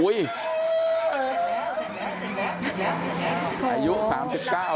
เสร็จแล้วเสร็จแล้วเสร็จแล้ว